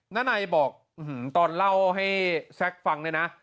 นันไนบอกตอนเล่าให้แซคฟังด้วยนะ